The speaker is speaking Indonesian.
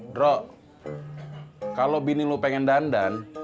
bro kalau bini lu pengen dandan